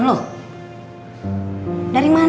tidak ada yang mau bilang